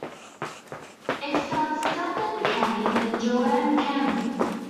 It starred Stephen Cannon and Joanne Campbell.